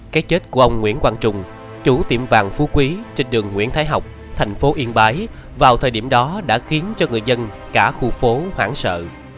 cái chết của ông nguyễn quang trung chủ tiệm vàng phú quý trên đường nguyễn thái học thành phố yên bái vào thời điểm đó đã khiến cho người dân cả khu phố hoảng sợ